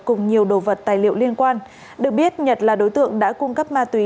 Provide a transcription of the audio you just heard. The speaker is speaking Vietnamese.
cùng nhiều đồ vật tài liệu liên quan được biết nhật là đối tượng đã cung cấp ma túy